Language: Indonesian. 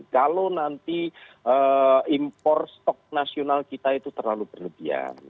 kalau nanti impor stok nasional kita itu terlalu berlebihan